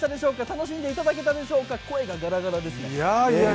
楽しんでいただけたでしょうか、声がガラガラです。